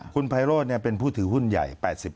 คุณไพโรธเป็นผู้ถือหุ้นใหญ่๘๐